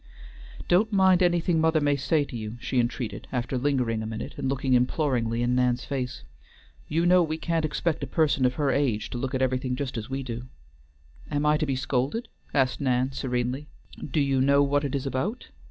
"Don't mind anything mother may say to you," she entreated, after lingering a minute, and looking imploringly in Nan's face. "You know we can't expect a person of her age to look at everything just as we do." "Am I to be scolded?" asked Nan, serenely. "Do you know what it is about?"